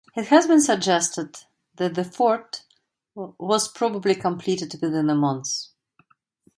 It has been suggested that the fort was probably completed within a month.